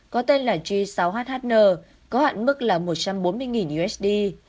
có tên là g sáu hhn có hạn mức là một trăm bốn mươi usd